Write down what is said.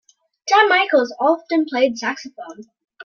Dan Michaels often played saxophone.